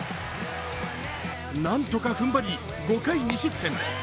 何とか踏ん張り、５回２失点。